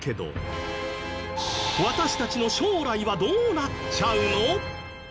私たちの将来はどうなっちゃうの？